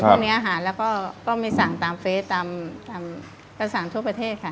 พวกนี้ก็ไม่สั่งตามเฟสรสั่งทั่วประเทศค่ะ